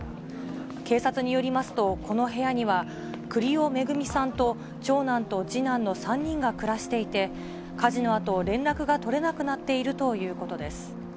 警察によりますと、この部屋には、栗尾恵さんと、長男と次男の３人が暮らしていて、火事のあと、連絡が取れなくなっているということです。